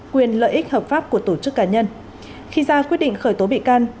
quyền lợi ích hợp pháp của tổ chức cá nhân khi ra quyết định khởi tố bị can